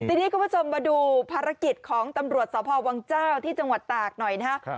ทีนี้คุณผู้ชมมาดูภารกิจของตำรวจสพวังเจ้าที่จังหวัดตากหน่อยนะครับ